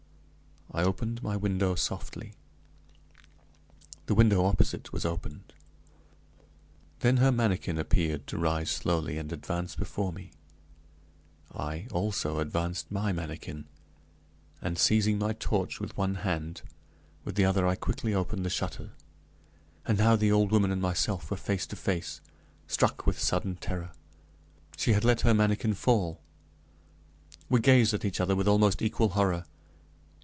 I opened my window softly; the window opposite was opened! Then her manikin appeared to rise slowly and advance before me. I, also, advanced my manikin, and seizing my torch with one hand, with the other I quickly opened the shutters. And now the old woman and myself were face to face. Struck with sudden terror, she had let her manikin fall! We gazed at each other with almost equal horror.